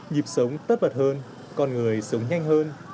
nhịp sống tất bật hơn con người sống nhanh hơn